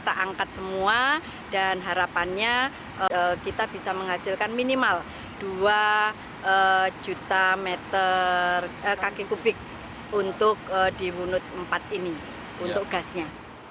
kita angkat semua dan harapannya kita bisa menghasilkan minimal dua juta meter kaki kubik untuk di wunut empat ini untuk gasnya